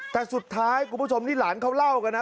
แต่สุดท้ายคุณผู้ชมนี่หลานเขาเล่ากันนะ